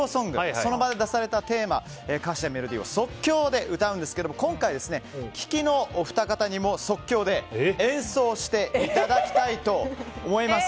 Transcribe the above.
その場で出されたテーマに歌詞やメロディーを即興で歌うんですけども今回、輝＆輝のお二方にも即興で演奏していただきたいと思います。